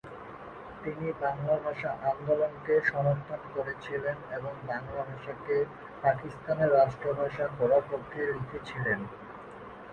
তিনি বাংলা ভাষা আন্দোলনকে সমর্থন করেছিলেন এবং বাংলা ভাষাকে পাকিস্তানের রাষ্ট্রভাষা করার পক্ষে লিখেছিলেন।